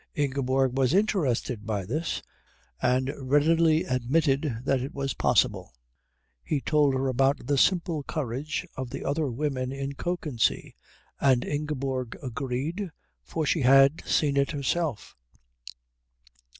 Ingeborg was interested by this, and readily admitted that it was possible. He told her about the simple courage of the other women in Kökensee, and Ingeborg agreed, for she had seen it herself.